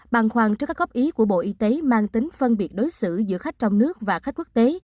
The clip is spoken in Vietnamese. bàn khoan cho các góp ý của bộ y tế mang tính phân biệt đối xử giữa khách trong nước và khách quốc tế